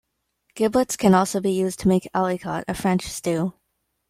Giblets can also be used to make alicot, a French stew.